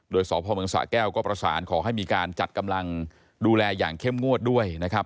โดยสพเมืองสะแก้วก็ประสานขอให้มีการจัดกำลังดูแลอย่างเข้มงวดด้วยนะครับ